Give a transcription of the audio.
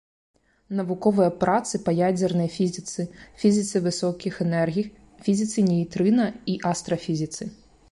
Навуковыя працы па ядзернай фізіцы, фізіцы высокіх энергій, фізіцы нейтрына і астрафізіцы.